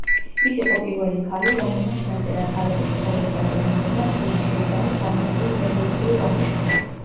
ის იყო პირველი ქალი, რომელმაც დაწერა ქალების ცხოვრებაზე, რომლებმაც წვლილი შეიტანეს ამერიკულ რევოლუციურ ომში.